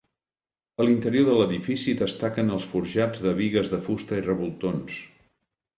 A l'interior de l'edifici destaquen els forjats de bigues de fusta i revoltons.